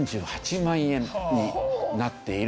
４８万円になっている。